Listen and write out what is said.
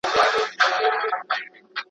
نوې تجربې د ژوند رنګ بدلوي.